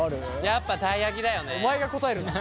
やっぱたい焼きだよね。